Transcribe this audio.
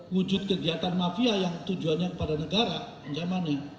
wujud kegiatan mafia yang tujuannya kepada negara ancamannya